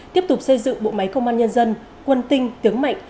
tiếp tục xây dựng bộ máy công an nhân dân quân tinh tiếng mạnh